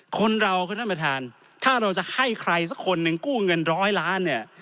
คนเราคือท่านประธานถ้าเราจะให้ใครสักคนหนึ่งกู้เงินร้อยล้านเนี่ย